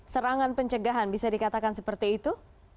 serangan pencegahan bisa dikatakan seperti itu